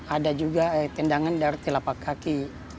ada juga tendangan dari telapak kaki